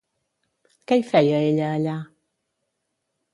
Què hi feia ella allà?